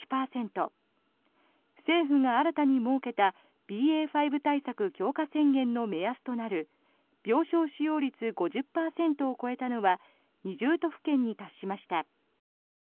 政府が新たに設けたＢＡ．５対策強化宣言の目安となる病床使用率５０％を超えたのは２０都府県に達しました。